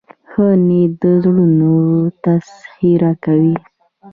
ښه نیت د زړونو تسخیر کوي.